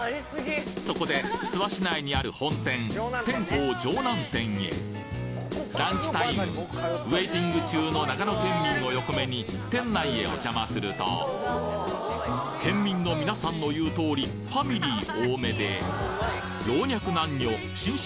そこで諏訪市内にある本店テンホウ城南店へランチタイムウェイティング中の長野県民を横目に店内へお邪魔すると県民のみなさんの言う通りファミリー多めで老若男女信州